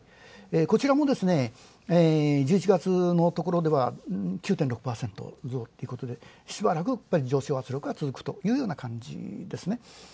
こちらも１１月のところでは９．６％増ということで、しばらく上昇圧力がつづくというような感じですね。